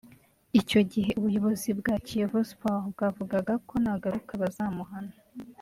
Icyo gihe ubuyobozi bwa Kiyovu Sport bwavugaga ko nagaruka bazamuhana